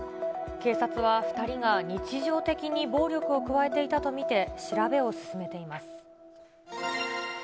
警察は、２人が日常的に暴力を加えていたと見て調べを進めています。